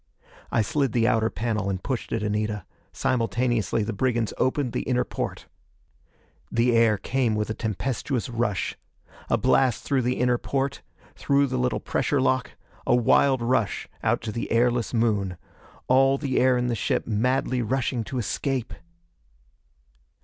I slid the outer panel and pushed at Anita. Simultaneously the brigands opened the inner porte. The air came with a tempestuous rush. A blast through the inner porte through the little pressure lock a wild rush out to the airless Moon. All the air in the ship madly rushing to escape....